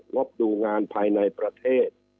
บดูงานภายในประเทศ